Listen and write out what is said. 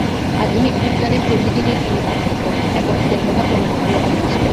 আধুনিক বিজ্ঞানে প্রতিদিনই এই একত্বের কথা প্রমাণিত হইয়া চলিয়াছে।